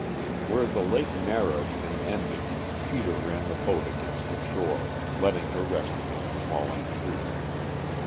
Where the lake narrowed and ended Peter ran the boat against the shore, letting her rest against a fallen tree.